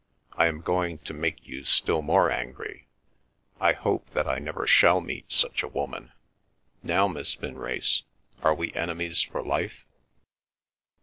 I am going to make you still more angry. I hope that I never shall meet such a woman. Now, Miss Vinrace, are we enemies for life?"